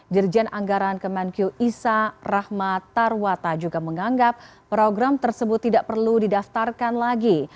dirjen anggaran kemenkyu isa rahmat tarwata juga menganggap program tersebut tidak perlu didaftarkan lagi